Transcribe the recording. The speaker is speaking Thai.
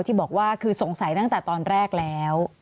ที่บอกว่าคือสงสัยตั้งแต่ตอนแรกแล้ว